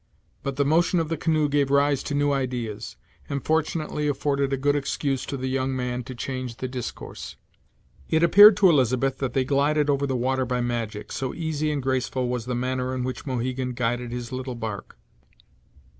But the motion of the canoe gave rise to new ideas, and fortunately afforded a good excuse to the young man to change the discourse. It appeared to Elizabeth that they glided over the water by magic, so easy and graceful was the manner in which Mohegan guided his little bark.